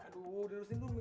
aduh duduk sini dulu mi